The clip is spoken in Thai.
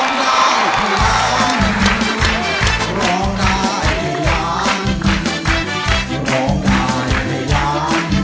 ๑นึกถึงโยงร้องที่๔